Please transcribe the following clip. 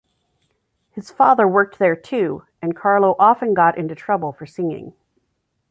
His father worked there too, and Carlo often got into trouble for singing.